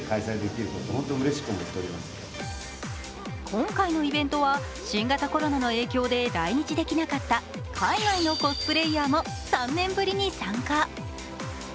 今回のイベントは新型コロナの影響で来日できなかった海外のコスプレーヤーも３年ぶりに参加。